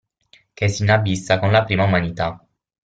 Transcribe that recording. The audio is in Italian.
Che s'inabissa con la prima umanità.